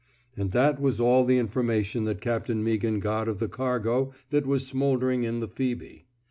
And that was all the information that Captain Meaghan got of the cargo that was smouldering in the Phoehe.